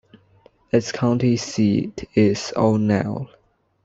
Its county seat is O'Neill.